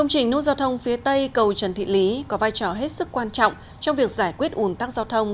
sao thông cầu trần thị lý có tổng mức đầu tư bảy trăm hai mươi ba tỷ đồng